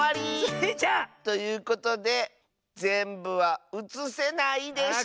スイちゃん！ということでぜんぶはうつせないでした！